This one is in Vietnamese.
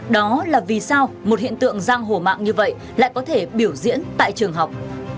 đó là vì sao một hiện tượng giang hổ mạng như vậy lại có thể biểu diễn tại trường học